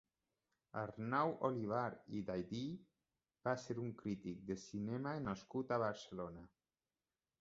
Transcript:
Arnau Olivar i Daydí va ser un crític de cinema nascut a Barcelona.